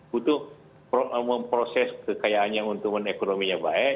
butuh memproses kekayaannya untuk ekonominya baik